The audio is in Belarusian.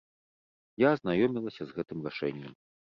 Я азнаёмілася з гэтым рашэннем.